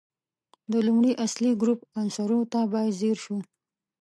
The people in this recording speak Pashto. د لومړي اصلي ګروپ عنصرونو ته باید ځیر شو.